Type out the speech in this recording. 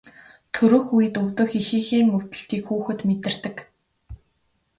Төрөх үед өвдөх эхийнхээ өвдөлтийг хүүхэд мэдэрдэг.